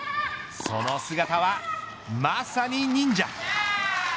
その姿はまさに忍者。